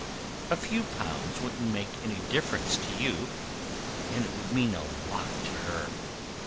A few pounds wouldn't make any difference to you, and it would mean a lot to her.